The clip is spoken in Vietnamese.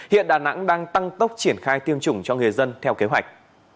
hiện đà nẵng đang tăng tốc triển khai tiêm chủng cho người dân theo kế hoạch